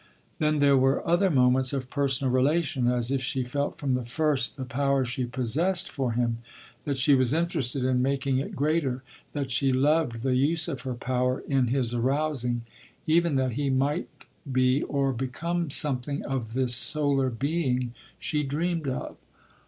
Then there were other moments of personal relation—as if she felt from the first the power she possessed for him; that she was interested in making it greater; that she loved the use of her power in his arousing; even that he might be or become something of this solar being she dreamed of....